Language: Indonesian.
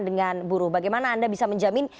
dengan buruh bagaimana anda bisa menjamin